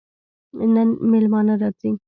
نن مېلمانه راځي